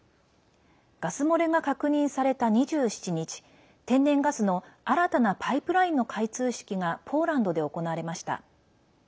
ガス漏れが確認された２７日天然ガスの新たなパイプラインの開通式がポーランドで行われました。